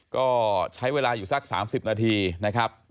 ก็ใช้เวลาอยู่สัก๓๐นาทีนะครับ